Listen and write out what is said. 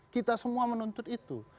kita semua menuntut itu